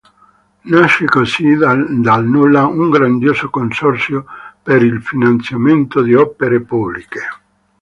Nasce così dal nulla un grandioso consorzio per il finanziamento di opere pubbliche.